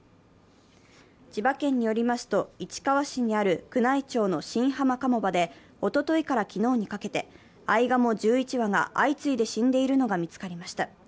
千葉県によりますと市川市にある宮内庁の新浜鴨場で、おとといから昨日にかけて、あいがも１１羽が相次いで死んでいるのが見つかりました。